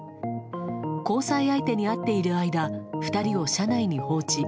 交際相手に会っている間２人を車内に放置。